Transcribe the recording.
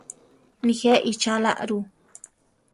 Nijé ichála ru?